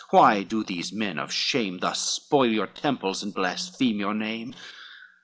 why do these men of shame, Thus spoil your temples and blaspheme your name?